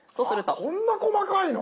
あっこんな細かいの？